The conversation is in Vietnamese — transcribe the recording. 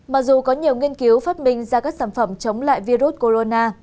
mặc dù có nhiều nghiên cứu phát minh ra các sản phẩm chống lại virus corona